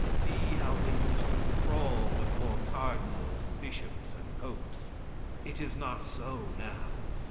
See how they used to crawl before cardinals, bishops and popes. It is not so now.